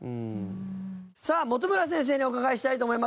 さあ本村先生にお伺いしたいと思います。